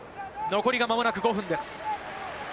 残りがまもなく５分です。